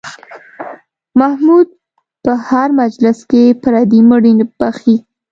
محمود په هر مجلس کې پردي مړي بښي.